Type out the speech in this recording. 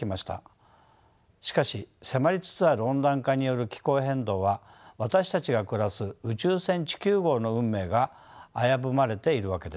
しかし迫りつつある温暖化による気候変動は私たちが暮らす宇宙船地球号の運命が危ぶまれているわけです。